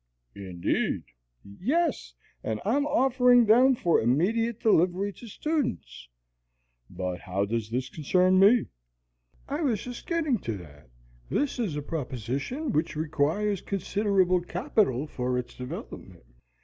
"Indeed." "Yes, and I'm offering them for immediate delivery to students." "But how does this concern me?" "I was just getting to that. This is a proposition which requires considerable capital for its development.